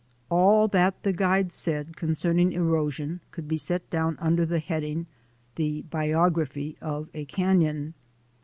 All that the guide said concerning erosion could be set down under the heading : The Biography of a Canon.